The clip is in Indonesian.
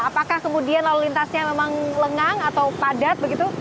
apakah kemudian lalu lintasnya memang lengang atau padat begitu